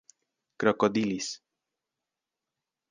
krokodilis